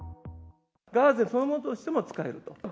ガーゼそのものとしても使えると。